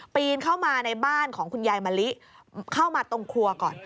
เข้ามาในบ้านของคุณยายมะลิเข้ามาตรงครัวก่อน